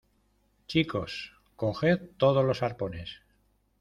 chicos, coged todos los arpones